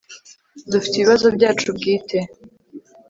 dufite ibibazo byacu bwite